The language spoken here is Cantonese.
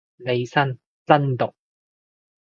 利申真毒